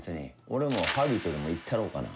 俺もハリウッドでも行ったろうかな。